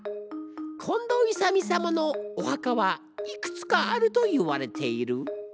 近藤勇様のお墓はいくつかあるといわれている。